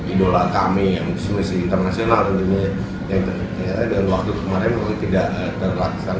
idola kami musisi musisi internasional yang ternyata dalam waktu kemarin tidak terlaksan